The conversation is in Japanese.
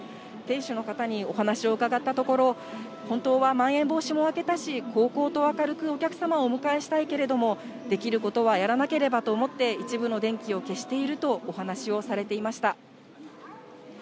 店主の方にお話を伺ったところ、本当はまん延防止も明けたし、こうこうと明るくお客様をお迎えしたいけれども、できることはやらなければと思って、一部の電気を消しているとお話をされていました。